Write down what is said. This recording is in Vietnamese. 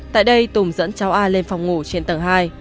tại đây tùng dẫn cháu a lên phòng ngủ trên tầng hai